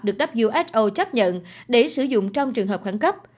được who chấp nhận để sử dụng trong trường hợp khẳng cấp